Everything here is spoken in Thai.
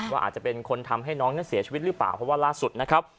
ว่าอาจจะเป็นคนทำให้น้องนั้นเสียชีวิตหรือเปล่าเพราะว่าล่าสุดนะครับ